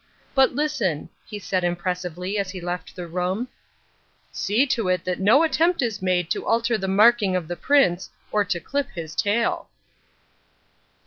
But listen," he said impressively as he left the room, "see to it that no attempt is made to alter the marking of the prince, or to clip his tail."